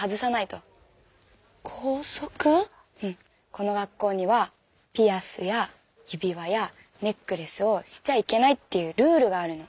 この学校にはピアスや指輪やネックレスをしちゃいけないっていうルールがあるの。